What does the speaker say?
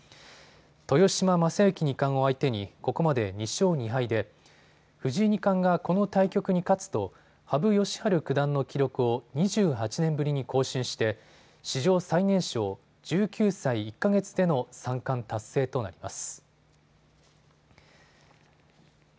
豊島将之二冠を相手にここまで２勝２敗で藤井二冠がこの対局に勝つと羽生善治九段の記録を２８年ぶりに更新して史上最年少１９歳１か月での三冠達成となります。